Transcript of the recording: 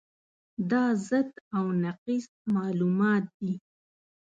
دا ضد او نقیض معلومات دي.